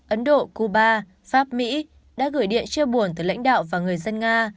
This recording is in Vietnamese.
ấn độ cuba pháp mỹ đã gửi điện chia buồn tới lãnh đạo và người dân nga